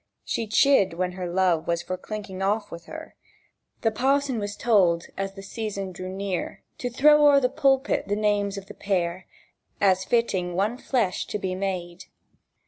She chid when her Love was for clinking off wi' her. The pa'son was told, as the season drew near To throw over pu'pit the names of the peäir As fitting one flesh to be made.